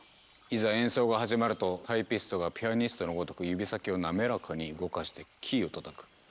いざ演奏が始まるとタイピストがピアニストのごとく指先を滑らかに動かしてキーを叩く。